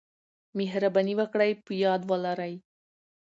مهرباني وکړئ په یاد ولرئ: